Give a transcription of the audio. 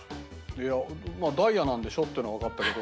いやまあダイヤなんでしょっていうのはわかったけど。